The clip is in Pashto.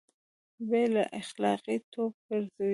بې له اخلاقي توب ګرځوي